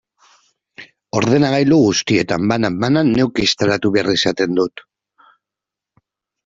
Ordenagailu guztietan, banan-banan, neuk instalatu behar izaten dut.